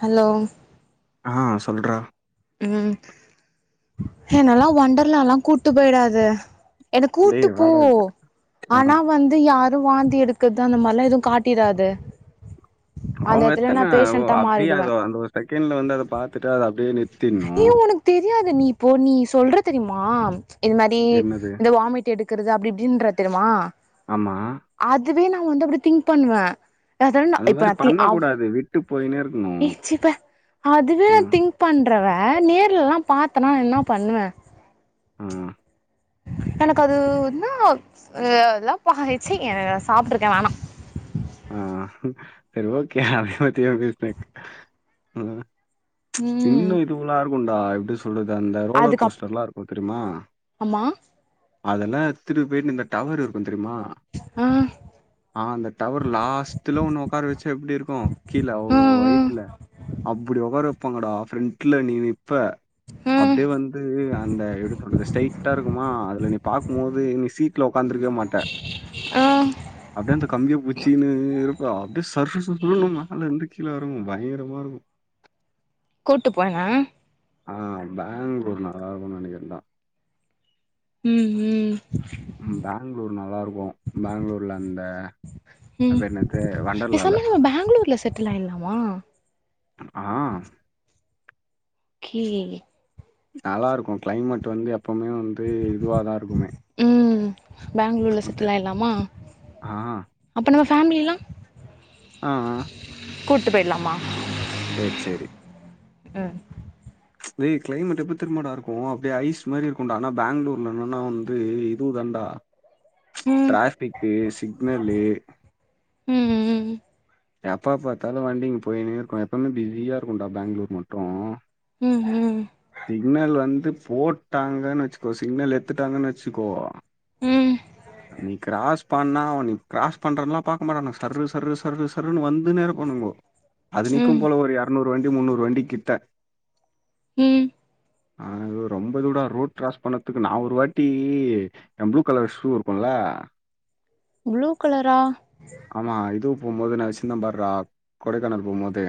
Hello ஆ சொல்றா ம் என்னல்லா ஒண்டர்லால்லா கூட்டு போய்டாத என கூட்டு டேய் போ வாடா இங்க ஆ ஆனா வந்து யார் வாந்தி எடுக்கறது அந்த மாரிலா எதுவும் காட்டிறாத அவங்க எத்தன அப்டியே மாறிடுவே அந்த ஒரு செகண்ட்ல வந்து அத பாத்துட்டு அத அப்டியே ஏ நிற்த்திர்னு உனக்கு தெரியாது நீ இப்போ நீ சொல்ற தெரியிமா இது மாரி என்னது? இந்த வாமிட் எடுக்றது அப்டி இப்டின்ற தெரிமா ஆமா அதுவே நா வந்து அப்டே திங்க் பண்ணுவே ஏத நா அந்த இப்ப மாரி தி அவ் பண்ணக்கூடாது. விட்டு போயின்னே இருக்கணும். ஏ சீ பே அதுவே நா ம், திங்க் பண்றவ நேர்லல்லாபாத்தனா என்ன பண்ணுவே ம் எனக்கு அது என்னா எல்லா சீ சாப்ட்டுருக்கே வேணா ஆ செரி ஓகே அத பத்தி ஏ பேசினிக் ம் இன்னு இதுவல்லா இருக்குடா எப்டி சொல்றது அந்த ரோலர் அதுக்கப் கோஸ்டர்ல்லா இருக்கு தெரிமா ஆமா அதெல்லா எத்துனுபோயி இந்த டவர் இருக்கும் தெரிமா ஆ ஆ அந்த டவர் லாஸ்ட்ல ஒண்ண ஒக்கார வெச்சா எப்டி இருக்கும் கீழ ஆ அவ்ளோ ஆ ஹயிட்ல அப்டி ஒகார வெப்பாங்கடா ஃப்ரெண்ட்ல நீ நிப்ப ஆ அப்டிடே வந்து அந்த எப்டி சொல்றது ஸ்டைட்டா இருக்குமா அதுல நீ பாக்கு போது நீ சீட் ல ஒகாந்துருக்க மாட்ட ஆ அப்டியே அந்த கம்பிய புச் சீனு இருக்கும் அப்டியே சர் சர்ன்னு மேல இருந்து கீழ இறங்கும் பயங்கரமா இருக்கு கூட்டு போங்க ஆ பேங்ளூர் நல்லா இருக்குனு நெனைக்கிறந்தான் ம் ம் பேங்ளூர் நல்லா இருக்கு பேங்ளூர்ல அந்த அது ம் பேர் என்னது? வொண்டர்லால. பேசாம நம்ம பேங்ளூர்ல செட்டில் ஆயிட்லாமா ஆ கீீ நல்லாருக்கும் கிளைமேட் வந்து எப்பவுமே வந்து இதுவாதா இருக்குமே ம் பேங்ளூர்ல ஓகே. செட்டில் ஆயிலாமா ஆ, அப்போ நம்ம ஃபேமிலி எல்லா ஆ கூட்டு போயிட்லம்மா செர் செரி ம் டேய் கிளைமேட் எப்டி தெரிமாட இருக்கும் அப்டியே ஐஸ் மாரி இருக்கும்டா ஆனா பெங்களூர்ல என்னன்னா வந்து இது தா டா ம் டிராபிக்கு சிக்னல்லு ம் ம் எப்பா பாத்தாலும் வண்டிங்க போய்னே இருக்கோ எப்வுமே பிஸியாக இருக்கும் டா பெங்களூர் மட்டும் ம் சிக்னல் வந்து போட் ட்டங்கன்னு வெச்சுக்கோ சிகனல் எத்துட்டாங்கன்னு வெச்சுக்கோ ம் ம் நீ க்கிரஸ் நிப்பான அவன் கிரஸ் பண்றேன்லாம் பாக்க மாட்டானு சரு சர்ரு சர்ரு சர்ருன்ன வந்துனே இருப்பாணுங்கோ அது ம் நீக்கும் போல ஒரு எறநூறு வண்டி முன்னூறு வண்டி கிட்ட ம் அ ரொம்ப தூட ரோட் க்கிராஸ் பண்ணறதுக்கு நா ஒரு வாட்டி எ ப்ளு கலர் ஷூ இருக்குல்ல ப்ளூ கலரா ஆமா இதுவு போம் போது நா வச்சிந்த பார்றா கொடைக்கானல் போம் போது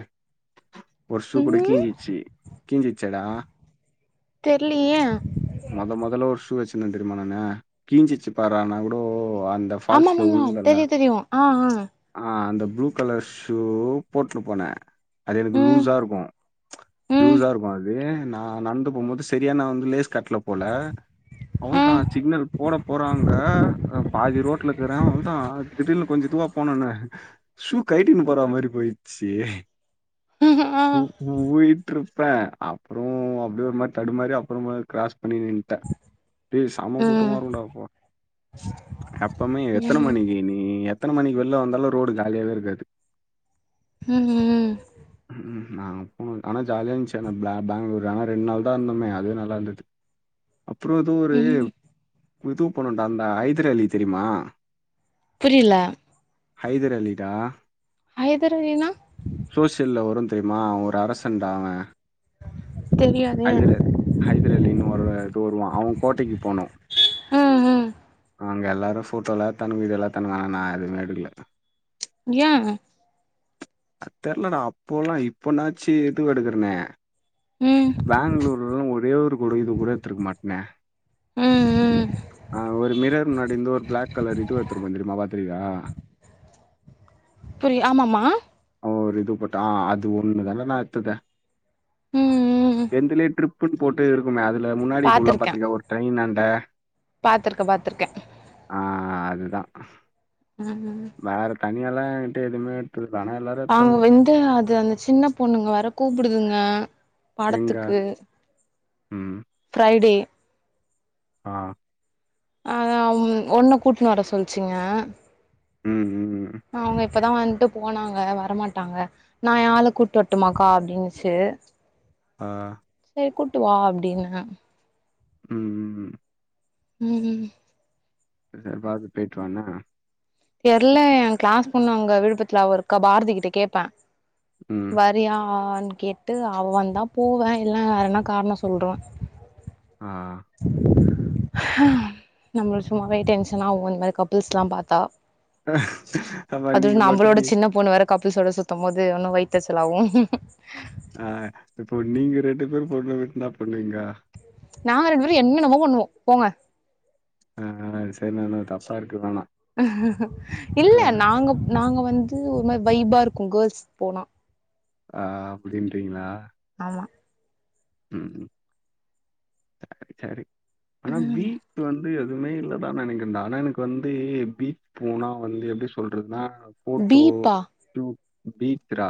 ஒரு ஷு கூட ம் கிஞ்சிச்சி கிஞ்சிச்சேடா தெர்லியே மொத மொதல்ல ஒரு ஷூ வச்சிருந்த தெரியுமா நானு கிஞ்சிச்சு பார்றா நா கூடோ அந்த ஃபால்ஸ்ல ஆமாமாமா விழுந்தேன்ல, தெரியு தெரியு ஆ ஆ ஆ அந்த ப்ளூ கலர் ஷூ போட்டுனு போன அது எனக்கு ம் லூஸா இருக்கு ம் லூஸா இருக்கும் அது நா நடந்து போம்போது செரியா நா வந்து லேஸ் கட்ல போல அவ்ள ஆ தா சிக்னல் போட போறாங்க ஆ பாதி ரோட்ல இக்கிற அவ்ள தா திடீர்னு கொஞ்ச இதுவா போனோன்னே ஷூ கயிட்டின்னு போற மாரி போயிடுச்சி ம் ஹு ஆ உயிட்ருப்ப அப்புறோ அப்டியே ஒரு மாரி தடுமாறி அப்புறமேலு கிராஸ் பண்ணி நின்னுட்ட டேய் சம ம் கூட்டமா இருக்குன்டா அப்பா எப்பமே எத்தனை ம் மணிக்கி நீ நீ எத்தன மணிக்கு வெள்ல வந்தாலு ரோடு காலியாவே இருக்காது ம் ம் ம்ஹு நா ப்ப ஆனா ஜாலியா இருந்துச்ச அந்த பே பேங்களூர் ஆனா ரெண்டு நாள் தா இருந்தோமே அதே நல்லா இருந்துது அப்புறோ எதோ ம் ஒருபுது படோ தாண்டா ஹைதர் அலி தெரியுமா புரியில ஹதர் அலிடா ஐதர் அலினா சோசியல்ல வரு தெரியுமா ஒரு அரசன்டா அவ தெரியாதே ஐதர் அலி ஹைதர் அலின்னு ஒரு இது வருவா அவ கோட்டைக்கு போனோ ம் ம் அங்க எல்லாரு ஃபோட்டோல்லா எடுத்தானுங்க வீடியோல்லா எடுத்தானுங்க நா எதுமே எடுக்கல ஏ தெர்லடா அப்போல்லா இப்பனாச்சி இது எடுக்குறேனே ம் பேங்களூர்லு ஒரே ஒரு கூடோ இது கூடோ எத்துருக்க மாட்னே ம் ம் ஆ ஒரு மிரர் முன்னாடிந்து ஒரு பிளாக் கலர் இது எத்துருப்ப தெரியுமா பாத்துருக்கியா புரிய ஆமாமா ஒர் இது போட்டோ ஆ அது ஒண்ணு தா நா எத்தது ம் ம் என்துலே டிரிப் புன் போட்டு இருக்குமே அதுல முன்னாடி இது உள்ள பாத்துருக்கே பாத்துருக்கியா ஒரு ட்ரெயினாண்ட பாத்துருக்கே பாத்துருக்கே ஆ அதுதா ம் வேற தனியால்லா என்ணட்ட எதுமே எடுத்ததுல்ல ஆனா எல்லா அங்க வந்து அது அந்த சின்ன பொண்ணுங்க வேற கூப்புடுதுங்க எங்க படத்துக்கு ம் ஐ டி ஆ ஆஹ ஒன்ன கூட்டுன்னு வர சொல்லிச்சிங்க ம் ம். ம். அவுங்க இப்பதா வந்ட்டு போனாங்க வரமாட்டாங்க நான் யளை கூட்டு வட்டுமாக்கா அப்படின்னுச்சு ஆ சேரி கூப்டுவா அப்டின்ன ம் ம் ம் ம் ம் சேர் பார்த்து போயிட்டு வானா தெர்ல எயேகிளாஸ் பொண்ணு அங்க விழுப்புரத்துல அவே இருக்க பாரதி கிட்ட கேடப்பே ம். வர் வரியான்னு கேட்டு அவ வந்தா போவே இல்லன வேற என்னா காரணோ சொல்றுவே ஆ நம்மளுக்கு சும்மாவே ம். டென்ஷன் ஆகு இந்த மாரி கப்புள்ஸ் எல்லா பாத்தா ஆமா நீங்க மட்டு நீ பொணு வேற கப்பிள்ஸ் சோட சுத்தும் போது உன்னு வயித்தெர்ச்சலாவு ஆ இப்போ நீங்க ரெண்டு பேரு போனா மட்டு இன்னா பண்ணுவீங்க நாங்க ரெண்டு பேரு என்னென்னவோ பண்ணுவோ போங்க ஆ சேரி நானு தப்பா இருக்க வேணா இல்ல நாங்க நாங்க வந்து ஒரு மாரி வைப்பா இருக்கு கேர்ள்ஸ் போனா ஆ அப்டின்றீங்ளா ஆமா ம் சேரி சேரி பீச் வந்து எதுவுமே இல்லதான் நெனைக்கேடா ஆனா எனக்கு வந்து பீச் போனா வந்து எப்டி சொல்றதுன்னா ஃபோட்டோ பீப்பா டூ பீத்ரா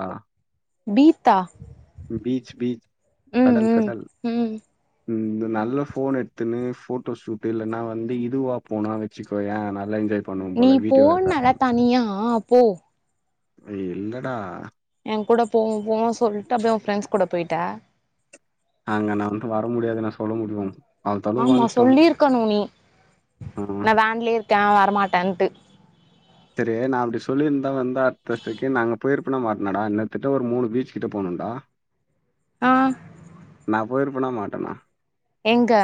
பீத்தா பீச் பீச் ம் கடல் ம் கடல் ம் இந்த நல்ல ஃபோன் எடுத்துன்னு ஃபோட்டோ ஷூட் இல்லன்னா வந்து இதுவா போனா வெச்சிக்கோயே நல்லா என்ஜாய் பண்ணுவோம் நீ போல வீடியோ ரெக்கார்ட் போனல்ல தனியா போ ஏ இல்லடா ஏ கூட போனு போனூ சொல்லிட்டு அப்டியே உ ஃப்ரெண்ட்ஸ் கூட போய்டிட்டா அங்க நா வந்து வர முடியாதுன்னா சொல்ல முடியு ஆமா சொல்லி இருக்கனும் நீ ஆ நா வேன்லயே இருக்கே வரமாட்டேன்ட்டு செரியே நா அப்டி சொல்லிருந்தா வந்தா அடுத்த செகண்ட் நாங்க போயிருப்ப கமாட்னாடா என்ன கட்டத்தட்ட ஒரு மூனு பீச் கிட்ட போனும்டா ஆ நா போயிருப்பேனா மாட்டேனா எங்க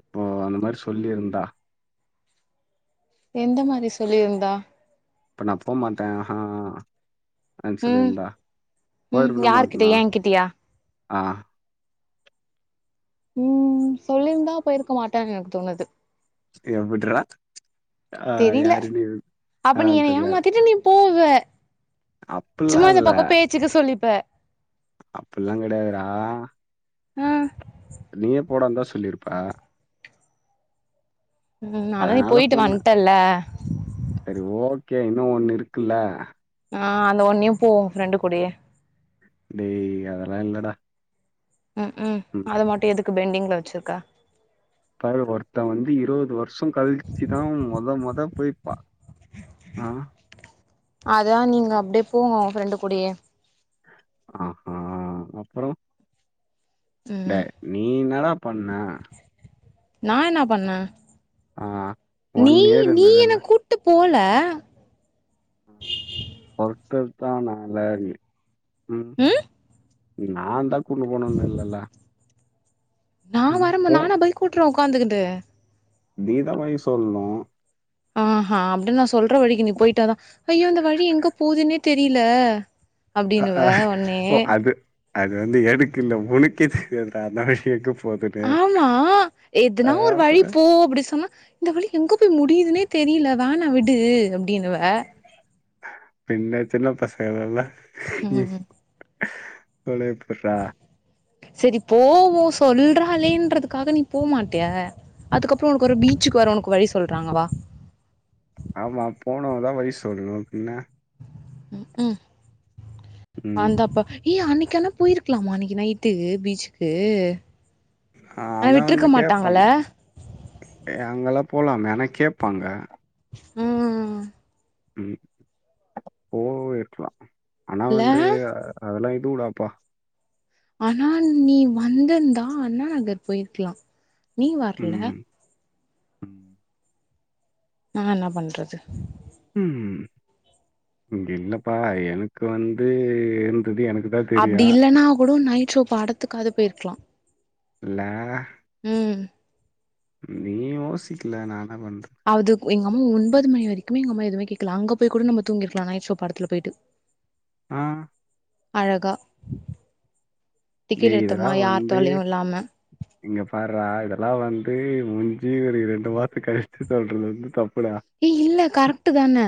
இப்போ அந்த மாரி சொல்லி இருந்தா எந்த மாரி சொல்லி இருந்தா இப்ப நா போமாட்டே ஆஹா அ சொல்லி ம் இருந்தா ம் போயிருப்பேனா யார்கிட்ட மாட்டனா ஏங்கிட்டயா ஆ ம் சொல்லிருந்தா போயிருக்க மாட்ட எனக்கு தோனுது எப்புட்றா ஆ தெரில யாரு நீ அப்ப நீ வேணான் என்ன சொல்லிராத ஏமாத்திட்டு நீ போவ சும்மா இந்த இல்ல பக்கோ பேச்சிக்கு சொல்லிப்பே அப்பில்லா கெடையாதுறா ஆ நீயே போடாந்தா சொல்லிருப்ப ம் அதா நீ அதனால போயிட்டு சொன்னே வன்ட்டேல்ல சரி ஓகே இன்னு ஒன்னு இருக்குல்ல ஆ அந்த ஒன்னுயு போ ஒ ஃப்ரெண்டு கூடே டேய் அதெல்லா இல்லடா ம்க்கூம் ம் அத மட்டு எதுக்கு பெண்டிங்ல வச்சிர்க்க டேய் ஒருத்தன் வந்து இருவது வருஷ கழிச்சுதா தொத மொத போய் பா ஆ அதா நீங்க அப்டியே போங்க ஒங்க ஃப்ரெண்டு கூடயே ஆஹூ அப்றோ ம் டேய் நீ என்னடா பன்ன நா என்ன பன்ன ஆ நீ இயர் நீ என்ன இருந்ததுல்ல. கூ ட்டு போல ஒருத்தத்தா நல்லா இரு ம் நாந்தா கூட்டு போனுனு இல்லல்ல நா ம். வரம்போ போ நானா பைக் ஓட்ற ஒக்காந்துகிட்டு நீதா வழி சொல்னூ ஆஹ அப்டி நா சொல்ற வழிக்கு நீ போயிட்டாதா ஐயோ இந்த வழி எங்க போதுன்னே தெரியில அ அப்டின்னுவ அ ஒன்னே ஓ அது அது வந்து எனக்கு இல்ல ஒனக்கே தெரியாதா நா எங்க போ ஆமா எதுனா ஒரு வழி அப்புறம் போ அப்டி சொன்னா இந்த வழி எங்க போய் முடியுதுன்னே தெரில வேணா விடு அப்டின்னுவ பின்ன ஜின்ன பசங்கல இல்ல ம் இப் [unintelligible] சரி போவோ சொல்றாளேன்றதுக்காக நீ போமாட்டேயா அதுக்கப்றோ ஒன்க்கு ஒரு பீச்சுக்கு வர ஒன்க்கு வழி சொல்றாங்கவா ஆமா போனவதா வழி சொல்னூ பின்ன ம்கூ ம். வந்தப்ப ஏய் அன்னைக்கு ஆனா போயிர்க்கலாமா அன்னைக்கி நைட்டு பீச்க்கு ஆ விட்ருக்க மாட்டாங்கள ஏ அங்கெல்லா போலாம ஆனா கேப்பாங்க ம்ம் ம் போவீர்க்லா ஆனா இல்ல வந்து அதெல்லா இதுவுடாப்பா ஆனா நீ வந்துர்ந்தா அண்ணா நகர் போயிர்க்லா நீ வர்ல ம். ம். நா என்னா பன்றது ம் இல்லப்பா எனக்கு வந்து எனக்கு தான் அப்டி தெரியும். இல்லனா கூட நைட் ஷோ படத்துக்காது போயிர்க்லாம் இல்ல ம் நீ யோசிக்கல நா என்ன பன்ற அது எங்கம்மா ஒன்பது மணி வரைக்குமே எங்கம்மா எதமே கேக்ல அங்க போயி கூட நம்ம தூங்கிர்க்லா நைட் ஷோ படத்துல போய்ட்டு ஆ அழகா டிக்கெட் டேய் எடுத்தோமா இதெல்லாம் யார் வந்து தொல்லயூ இல்லாம இங்க பார்றா இதெல்லா வந்து முஞ்சி ஒரு ரெண்டு மாச கழிச்சு சொல்றது வந்து தப்புடா ஏ இல்ல கரெக்ட்டு தான்ன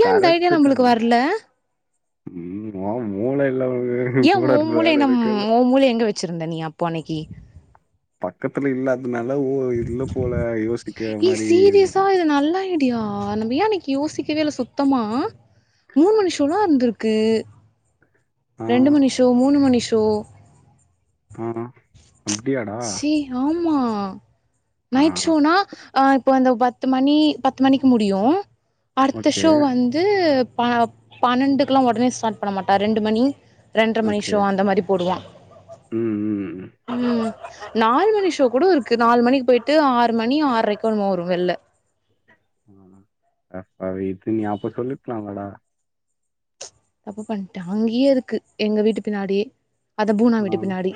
ய இந்த ஐடியா நம்மளுக்கு வர்ல உம் ஆ மூள இல்ல ஒனக்கு ஏன் ஓ மூளை என்ன மு ஓ மூளைய எங்க வச்சிருந்த நீ அப்போ அன்னைக்கி பக்கத்துல இல்லாதுனால ஓ இல்ல போல யோ எ சீரியஸா இது நல்லா இ த்தியா நம்பளா இன்னைக்கு யோசிக்கவே இல்ல சுத்தமா மூணு மணிஷோலா இருந்திருக்கு ஆ, ரெண்டு மணி ஷோ மூணு மணிஷோ ஆ அப்டியாடா சி ஆமா நைட் ஷோனா அ இப்போ அந்த பத்து மணி பத்து மணிக்கு முடியு அடுத்த ஓகே. ஷோ வந் து பன்னெண்டுக்கெல்லா ஒடனே ஸ்டார்ட் பண்ண மாட்டா ரெண்டு மணி ரெண்ர மணி ஓகே. ஷோ அந்த மாரி போடுவா ம், ம், ம் நாலு மணி ஷோ கூட இருக்கு நாலு மணிக்கு போயிட்டு ஆறு மணி ஆறரைக்கோ என்னமோ வரு வெள்ல அ அ இது நீ அப்ப சொல்லிக்கலா மேடா தப்பு பண்ட்ட அங்கேயே இருக்கு எங்க வீட்டு பின்னாடி புவனா ஆ, வீட்டு பின்னாடி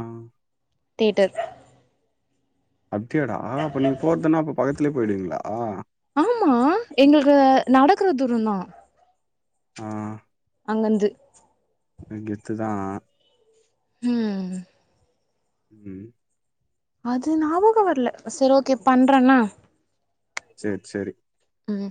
ஆ. தியேட்டர் அப்டியாடா அப்ப நீங்க போறதுன்னா அப்ப பக்கத்துலேயே போய்டுவிங்களா ஆமா எங்களுக்கு நடக்கற தூர தா அ அங்கந்து கெத்துதா ம் ம் அது ஞாபகோ வர்ல சரி ஓகே பண்றன்ன சரி சரி ம்